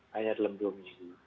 hanya dalam dua minggu